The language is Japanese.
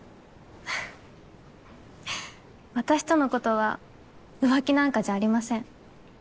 私とのことは浮気なんかじゃありません。